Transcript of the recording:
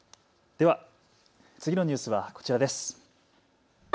では次のニュースはこちらです。